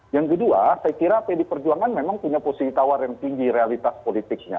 yang kedua saya kira pd perjuangan memang punya posisi tawar yang tinggi realitas politiknya